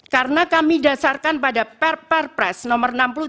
karena kami dasarkan pada per per pres nomor enam puluh tiga